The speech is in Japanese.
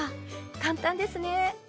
簡単ですね。